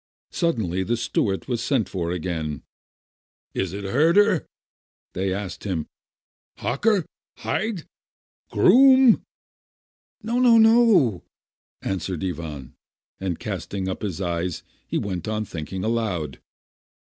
Suddenly the steward was sent for again. "Is it Herder?" they asked him. "Hocker? Hyde? Groome?" "No, no, no," answered Ivan, and, casting up his eyes, he went on thinking aloud.